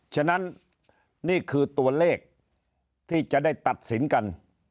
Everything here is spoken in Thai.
ฉะนั้นนี่คือตัวเลขที่จะได้ตัดสินกัน